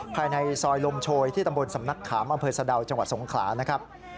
ภายในซอยลมโชยที่ตำบลสำนักขามอำเภอสะดาวจังหวัดสงขลานะครับ